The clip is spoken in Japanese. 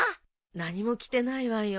何も来てないわよ。